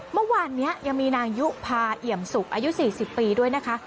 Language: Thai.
เมื่อวานนี้ยังมีนางยุภาเอี่ยมสุกอายุ๔๐ปีด้วยนะคะ